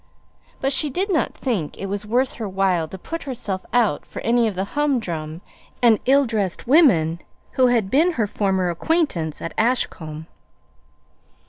But she did not think it was worth her while to put herself out for any of the humdrum and ill dressed women who had been her former acquaintances at Ashcombe.